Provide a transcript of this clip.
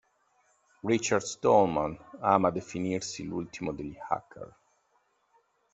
Richard Stallman ama definirsi l'ultimo degli hacker.